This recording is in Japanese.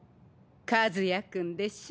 和也君でしょ？